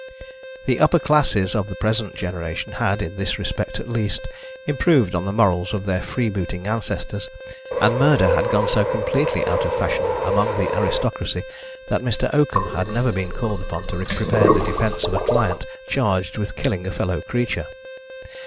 The upper classes of the present generation had, in this respect at least, improved on the morals of their freebooting ancestors, and murder had gone so completely out of fashion among the aristocracy that Mr. Oakham had never been called upon to prepare the defence of a client charged with killing a fellow creature.